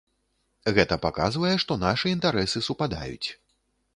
Гэта паказвае, што нашы інтарэсы супадаюць.